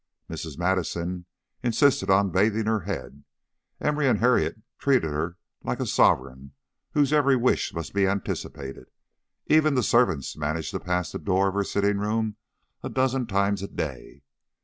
Mrs. Madison insisted upon bathing her head, Emory and Harriet treated her like a sovereign whose every wish must be anticipated, even the servants managed to pass the door of her sitting room a dozen times a day.